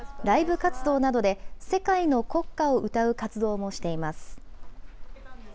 ライブ活動などで世界の国歌を歌う活動もしています。